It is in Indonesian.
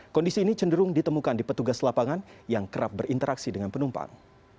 kondisi ini cenderung ditemukan di petugas lapangan yang kerap berinteraksi dengan penumpang